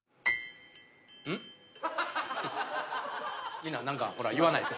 みんな何か言わないと。